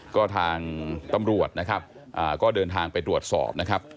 ก็ทางตำรวจนะครับก็เดินทางไปตรวจสอบนะครับ